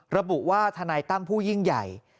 ระบุว่าทนายตั้มผู้ยิ่งใหญ่